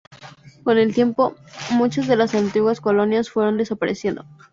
Con el tiempo, muchas de las antiguas colonias fueron desapareciendo.